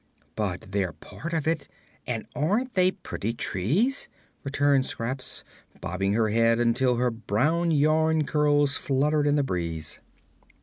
"But they're part of it; and aren't they pretty trees?" returned Scraps, bobbing her head until her brown yarn curls fluttered in the breeze.